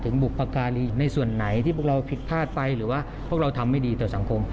บุปการีในส่วนไหนที่พวกเราผิดพลาดไปหรือว่าพวกเราทำไม่ดีต่อสังคม